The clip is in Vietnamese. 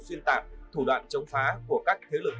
xuyên tạc thủ đoạn chống phá của các thế lực